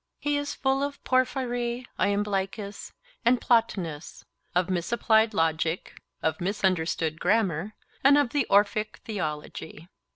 He is full of Porphyry, Iamblichus and Plotinus, of misapplied logic, of misunderstood grammar, and of the Orphic theology.